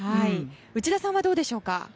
内田さんはどうでしょうか。